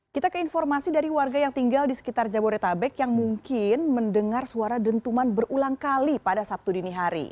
kita ke informasi dari warga yang tinggal di sekitar jabodetabek yang mungkin mendengar suara dentuman berulang kali pada sabtu dini hari